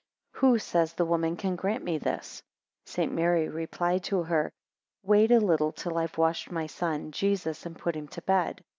3 Who, says the woman, can grant me this? 4 St. Mary replied to her, Wait a little till I have washed my son Jesus, and put him to bed.